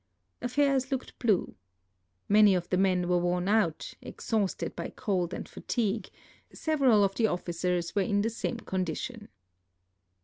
AfTiiirs looked blue. Many of the men were ■worn out, exhausted by cold and fatigue; several of the oflicers were in the same condition.